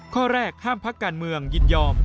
ข้อแรกห้ามพักการเมืองยินยอม